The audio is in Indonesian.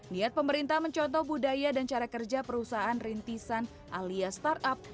niat pemerintah mencontoh budaya dan cara kerja perusahaan rintisan alias startup